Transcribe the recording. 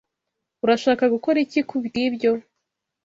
Urashaka gukora iki kubwibyo?